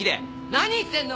何言ってんの！